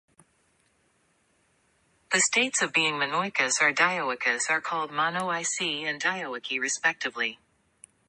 The states of being monoicous or dioicous are called monoicy and dioicy respectively.